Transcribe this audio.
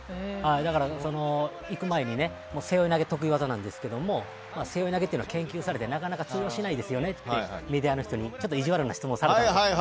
だから、行く前に背負い投げ、得意技なんですが背負い投げは研究されてなかなか通用しないですよねってメディアの人に意地悪な質問をされていたんですが。